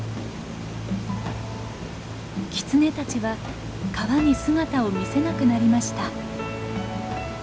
キツネたちは川に姿を見せなくなりました。